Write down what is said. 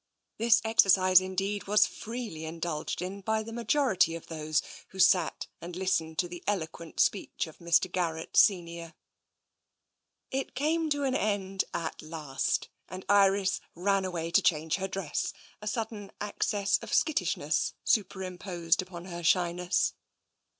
This exercise, indeed, was freely indulged in by the majority of those who sat and listened to the elo quent speech of Mr. Garrett senior. It came to an end at last, and Iris ran away to change her dress, a sudden access of skittishnesg superimposed upon her shyness.